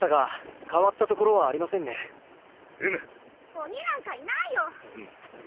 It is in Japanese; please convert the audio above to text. ・鬼なんかいないよ！ん？